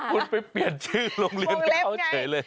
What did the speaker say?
เดี๋ยวคุณไปเปลี่ยนชื่อโรงเรียนให้เขาเฉยเลย